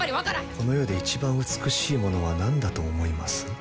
この世で一番美しいものは何だと思います？